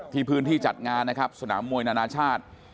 พื้นที่จัดงานนะครับสนามมวยนานาชาติ